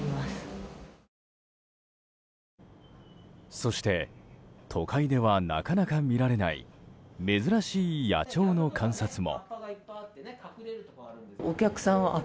そして都会ではなかなか見られない珍しい野鳥の観察も。